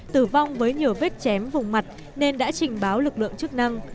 tử vong với nhiều vết chém vùng mặt nên đã trình báo lực lượng chức năng